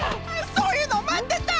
そういうのをまってた！